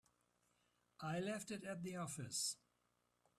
I left it at the office.